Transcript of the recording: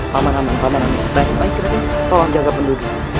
paman paman baik baik raden tolong jaga penduduk